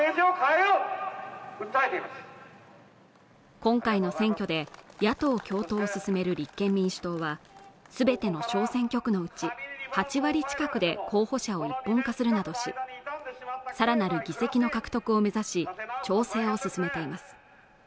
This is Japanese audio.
今回の選挙で野党共闘を進める立憲民主党はすべての小選挙区のうち８割近くで候補者を１本化するなどしさらなる議席の獲得を目指し調整を進めています